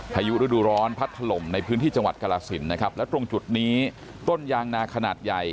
พายุฤดูร้อนพัดถล่มในพื้นที่จังหวัดกรสินนะครับแล้วตรงจุดนี้ต้นยางนาขนาดใหญ่